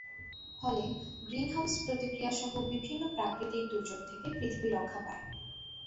ফলে greenhouse প্রতিক্রিয়াসহ বিভিন্ন প্রাকৃতিক দুর্যোগ থেকে পৃথিবী রক্ষা পায়।